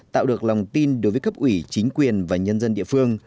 tạo được lòng tin đối với cấp ủy chính quyền và nhân dân địa phương